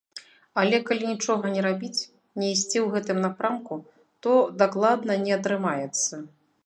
Але калі нічога не рабіць, не ісці ў гэтым напрамку, то дакладна не атрымаецца.